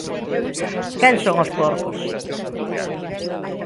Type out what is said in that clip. Quen son os porcos?